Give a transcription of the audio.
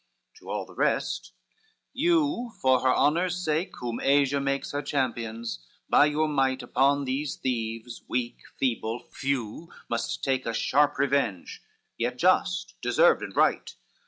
XXVII To all the rest, "You for her honor's sake Whom Asia makes her champions, by your might Upon these thieves, weak, feeble, few, must take A sharp revenge, yet just, deserved and right."